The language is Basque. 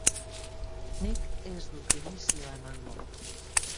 Nik ez dut dimisioa emango.